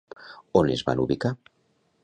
On es van ubicar?